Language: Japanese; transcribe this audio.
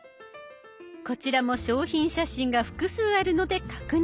こちらも商品写真が複数あるので確認。